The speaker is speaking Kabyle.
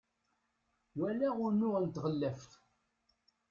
walaɣ unuɣ n tɣellaft